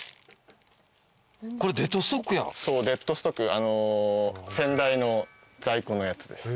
そうデッドストック先代の在庫のやつです。